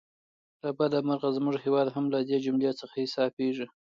له بده مرغه زموږ هیواد هم له دې جملې څخه حسابېږي.